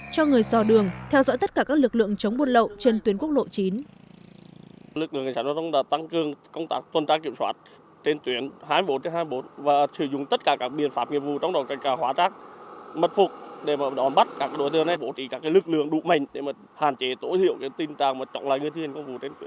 cho người dò đường theo dõi tất cả các lực lượng chống buôn lậu trên tuyến quốc lộ chín